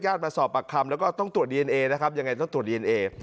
มาสอบปากคำแล้วก็ต้องตรวจดีเอนเอนะครับยังไงต้องตรวจดีเอนเอ